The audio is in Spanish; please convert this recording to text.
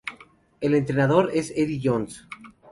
El entrenador es Eddie Jones.